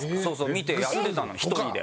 見てやってたの１人で。